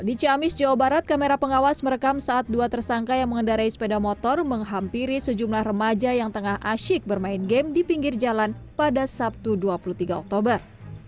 di ciamis jawa barat kamera pengawas merekam saat dua tersangka yang mengendarai sepeda motor menghampiri sejumlah remaja yang tengah asyik bermain game di pinggir jalan pada sabtu dua puluh tiga oktober